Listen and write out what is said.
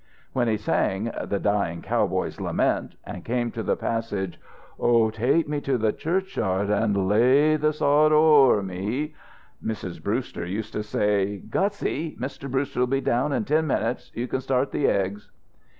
When he sang "The Dying Cowboy's Lament" and came to the passage, "Oh, take me to the churchyard and lay the sod o o over me," Mrs. Brewster used to say: "Gussie, Mr. Brewster'll be down in ten minutes. You can start the eggs."